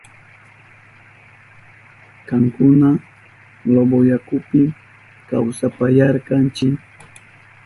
Kankuna Loboyakupi kawsapayarkankichi.